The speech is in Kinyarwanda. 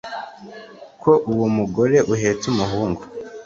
Ko uwo mugore uhetse umuhungu